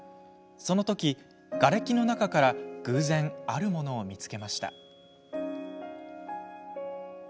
そのとき瓦礫の中から偶然あるものを見つけました。